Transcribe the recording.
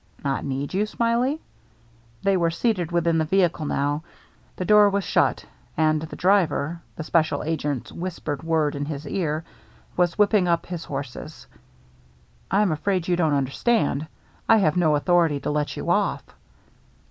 " Not need you, Smiley ?" They were seated within the vehicle now, the door was shut, and the driver, the special agent's whispered word in his ear, was whipping up his horses. "I'm afraid you don't understand. I have no author ity to let you off."